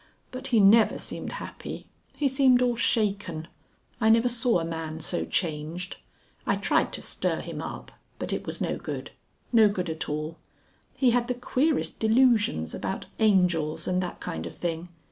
But he never seemed happy. He seemed all shaken. I never saw a man so changed. I tried to stir him up, but it was no good no good at all. He had the queerest delusions about angels and that kind of thing.